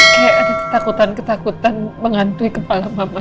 kayak ada ketakutan ketakutan menghantui kepala mama